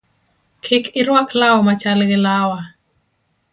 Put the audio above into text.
Kik iruak law machal gi lawa